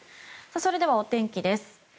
それではお天気です。